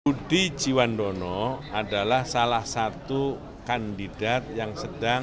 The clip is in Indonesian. budi jiwandono adalah salah satu kandidat yang sedang